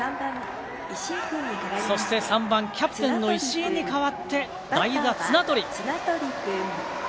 そして３番キャプテンの石井に代わって代打、綱取。